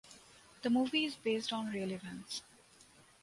The movie is based on real events.